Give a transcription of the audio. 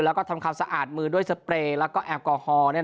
แล้วก็ทำความสะอาดมือด้วยสเปรย์แล้วก็แอลกอฮอล์